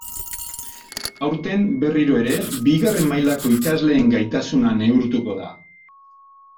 Aurten, berriro ere, bigarren mailako ikasleen gaitasuna neurtuko da.